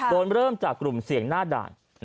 เริ่มจากกลุ่มเสี่ยงหน้าด่าน